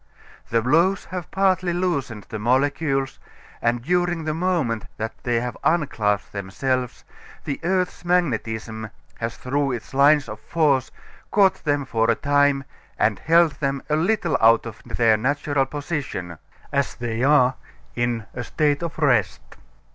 The blows have partly loosened the molecules and during the moment that they unclasped themselves the earth's magnetism has through its lines of force caught them for a time and held them a little out of their natural position as they are in a state of rest.